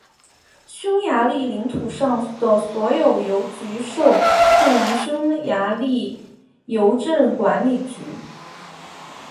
匈牙利领土上的所有邮局受控于匈牙利邮政管理局。